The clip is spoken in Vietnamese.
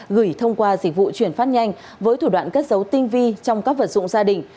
gửi thông qua dịch vụ chuyển phát nhanh với thủ đoạn cất dấu tinh vi trong các vật dụng gia đình